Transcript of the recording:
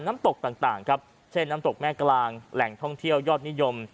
น้ำตกต่างครับเช่นน้ำตกแม่กลางแหล่งท่องเที่ยวยอดนิยม